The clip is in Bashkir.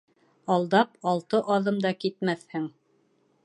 Алдап, алты аҙым да китмәҫһең.